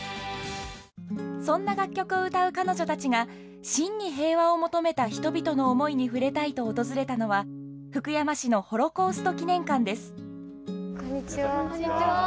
そんな楽曲を歌う彼女たちが真に平和を求めた人々の思いに触れたいと訪れたのは福山市のホロコースト記念館ですこんにちは。